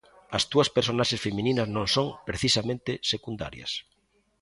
As túas personaxes femininas non son, precisamente, secundarias.